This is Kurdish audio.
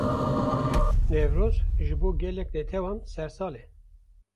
Newroz, ji bo gelek netewan sersal e